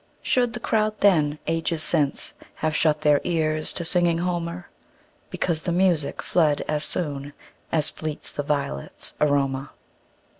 Should the crowd then, ages since, Have shut their ears to singing Homer, Because the music fled as soonAs fleets the violets' aroma?